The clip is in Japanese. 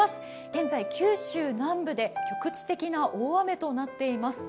現在、九州南部で局地的な大雨となっています。